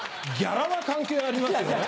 ギャラは関係ありますよ。